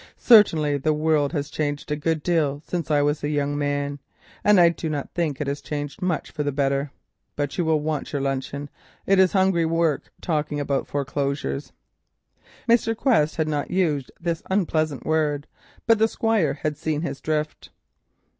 Certainly the world has changed a good deal since I was a young man, and I do not think it has changed much for the better. But you will want your luncheon; it is hungry work talking about foreclosures." Mr. Quest had not used this unpleasant word, but the Squire had seen his drift.